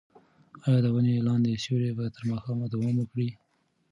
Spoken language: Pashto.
ایا د ونې لاندې سیوری به تر ماښامه دوام وکړي؟